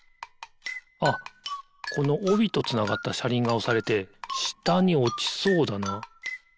あっこのおびとつながったしゃりんがおされてしたにおちそうだな。